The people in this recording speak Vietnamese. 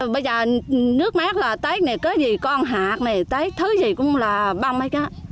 bây giờ nước mát là tết này có gì con hạt này tết thứ gì cũng là băm ấy kia